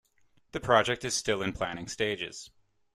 The project is still in planning stages.